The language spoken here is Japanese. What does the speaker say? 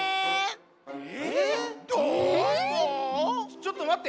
ちょっとまって。